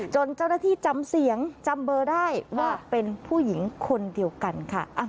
จนเจ้าหน้าที่จำเสียงจำเบอร์ได้ว่าเป็นผู้หญิงคนเดียวกันค่ะ